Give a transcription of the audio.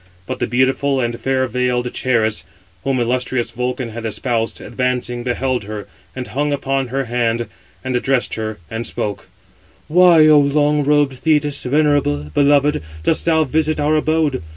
But the beautiful and fair veiled Charis, whom illustrious Vulcan had espoused, advancing, beheld her; and hung upon her hand, and addressed her, and spoke: "Why, O long robed Thetis, venerable, beloved, dost thou visit our abode?